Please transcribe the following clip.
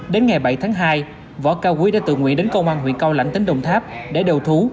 đến ngày bảy tháng hai võ cao quý đã tự nguyện đến công an huyện cao lãnh tỉnh đồng tháp để đầu thú